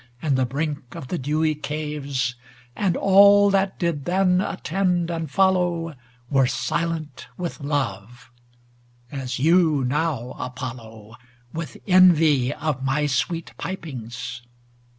And the brink of the dewy caves, And all that did then attend and follow, Were silent with love, as you now, Apollo, With envy of my sweet pipings.